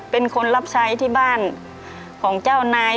เป็นคนรับใช้ที่บ้านของเจ้านาย